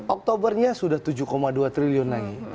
oktobernya sudah tujuh dua triliun lagi